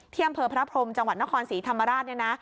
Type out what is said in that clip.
อำเภอพระพรมจังหวัดนครศรีธรรมราชเนี่ยนะ